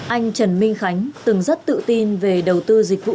anh trần minh khánh từng rất tự tin về đầu tư dịch vụ